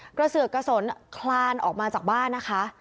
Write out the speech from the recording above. เสือกกระสนคลานออกมาจากบ้านนะคะ